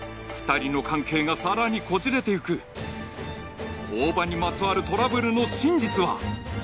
２人の関係がさらにこじれていく大庭にまつわるトラブルの真実は？